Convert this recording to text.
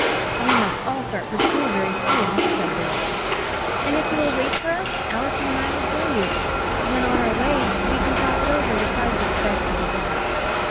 "We must all start for school very soon," said Doris; "and, if you will wait for us, Allerton and I will join you. Then, on our way, we can talk it over and decide what is best to be done."